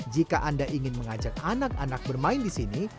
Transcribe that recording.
jika anda ingin mengajak anak anak bermain di sini